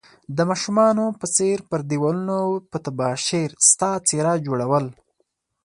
د ماشومانو په څير پر ديوالونو په تباشير ستا څيره جوړول